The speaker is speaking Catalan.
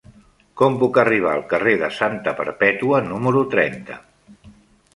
Com puc arribar al carrer de Santa Perpètua número trenta?